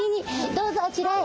どうぞあちらへ。